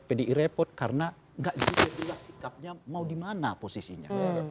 pdi repot karena nggak jelas sikapnya mau dimana posisinya